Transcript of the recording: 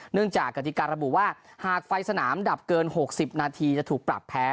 จากกติการระบุว่าหากไฟสนามดับเกิน๖๐นาทีจะถูกปรับแพ้